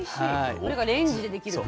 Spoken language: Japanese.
これがレンジでできると。